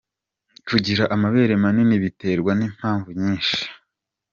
Kugira amabere manini biterwa n’impamvu nyinshi.